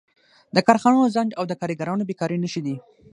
د کارخانو ځنډ او د کارګرانو بېکاري نښې دي